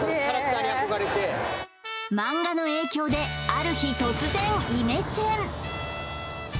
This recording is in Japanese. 漫画の影響である日突然イメチェン！